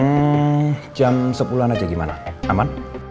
hmm jam sepuluh an aja gimana aman